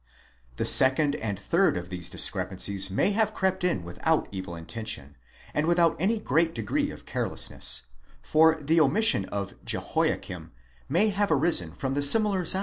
® The second and third of these discrepancies may have crept in without evil intention, and without any great degree of carelessness, for the omission of Jehoiakim may have arisen from the similar sound of the names (8°?